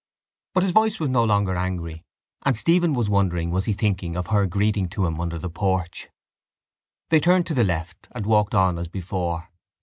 But his voice was no longer angry and Stephen wondered was he thinking of her greeting to him under the porch. They turned to the left and walked on as before.